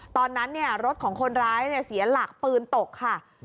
ตอนนั้นรถของคนร้ายเสียหลักปืนตกค่ะ